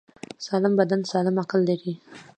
سالم بدن سالم عقل لري.